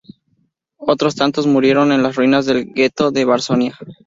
Otros tantos murieron en las ruinas del gueto de Varsovia.